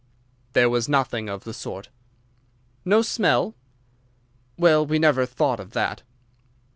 "There was nothing of the sort." "No smell?" "Well, we never thought of that."